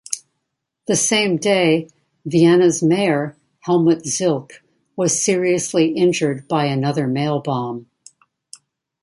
The same day Vienna's mayor Helmut Zilk was seriously injured by another mailbomb.